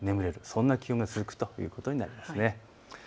そんな気温が続くということになります。